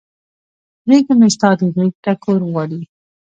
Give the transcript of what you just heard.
غیږه مې ستا د غیږ ټکور غواړي